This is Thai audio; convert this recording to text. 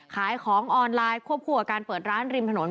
ขายของออนไลน์ควบคู่กับการเปิดร้านริมถนน